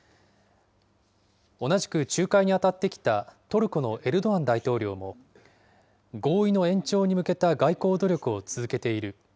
同じく仲介に当たってきたトルコのエルドアン大統領も、合意の延長に向けた外交努力を続けている。